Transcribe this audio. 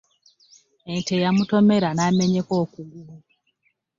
Ente yamutomera namenyeka okugulu